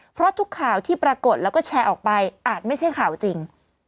เพราะทุกข่าวที่ปรากฏแล้วก็แชร์ออกไปอาจไม่ใช่ข่าวจริง